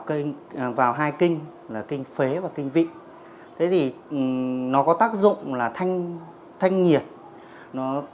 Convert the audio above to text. kênh vào hai kinh là kênh phế và kinh vị thế thì nó có tác dụng là thanh thanh nhiệt nó tác dụng là